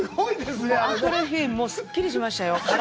明くる日、すっきりしましたよ。